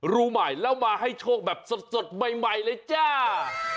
รู้ใหม่แล้วมาให้โชคแบบสดใหม่เลยจ้า